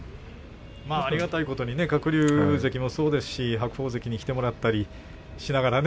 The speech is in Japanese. ありがたいことに鶴竜関もそうですし白鵬関に来てもらったりしながらね。